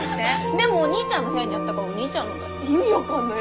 でもお兄ちゃんの部屋にあったからお兄ちゃんのだよ。